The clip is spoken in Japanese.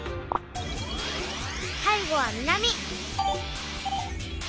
最後は南。